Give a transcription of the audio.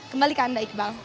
kembali ke anda iqbal